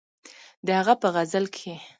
د هغه په غزل کښې